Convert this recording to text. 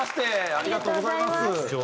ありがとうございます。